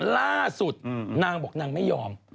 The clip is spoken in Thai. ล่าสุดนางบอกนางไม่ยอม